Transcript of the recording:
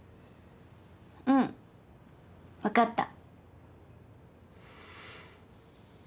うん分かった。